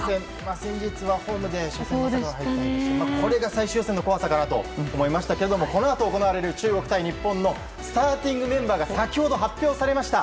先日はホームで初戦を敗れましたがこれが勝負の怖さかなと思いましたが、このあと行われる中国対日本のスターティングメンバーが先ほど発表されました。